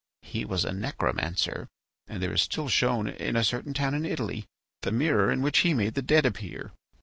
He was a necromancer, and there is still shown, in a certain town in Italy, the mirror in which he made the dead appear.